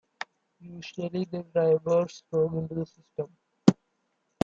Usually, the drivers log into the system.